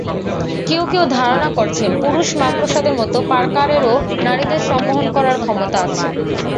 কেউ কেউ ধারণা করছেন, পুরুষ মাকড়সাদের মতো পার্কারেরও নারীদের সম্মোহন করার ক্ষমতা আছে।